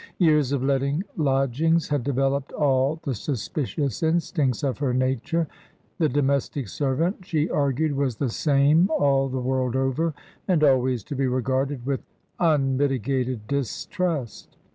Years of letting lodgings had developed all the suspicious instincts of her nature; the domestic servant, she argued, was the same all the world over, and always to be regarded with unmitigated distrust.